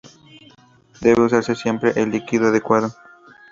Debe usarse siempre el líquido adecuado.